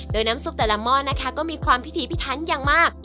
โดยน้ำซุปแต่ละหม้อนะคะก็มีความพิธีพิทันอย่างมาก